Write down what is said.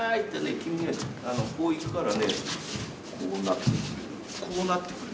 君はこう行くからねこうなってくれる？